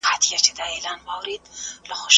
نانوايي تل نه تړل کېږي.